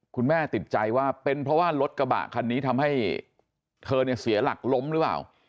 แม่ติดใจว่าเป็นเพราะว่ารถกระบะคันนี้ทำให้เธอเนี่ยเสียหลักล้มหรือเปล่า